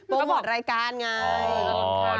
โปรโมทรายการไง